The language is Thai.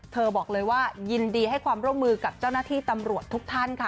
บอกเลยว่ายินดีให้ความร่วมมือกับเจ้าหน้าที่ตำรวจทุกท่านค่ะ